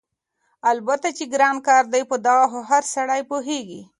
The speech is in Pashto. البته چې ګران کار دی په دغه خو هر سړی پوهېږي،